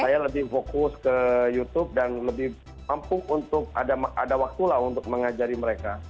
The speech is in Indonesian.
saya lebih fokus ke youtube dan lebih mampu untuk ada waktu lah untuk mengajari mereka